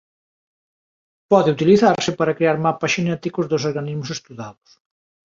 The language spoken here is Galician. Pode utilizarse para crear mapas xenéticos dos organismos estudados.